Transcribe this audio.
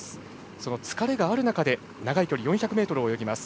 その疲れがある中で長い距離４００ｍを泳ぎます。